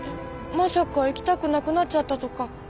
まさか行きたくなくなっちゃったとか？